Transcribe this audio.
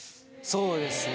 そうですね。